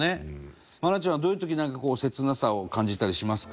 愛菜ちゃんはどういう時に切なさを感じたりしますか？